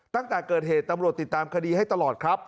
ตั้งแต่เกิดเหตุตำรวจติดตามคดีให้ตลอดครับ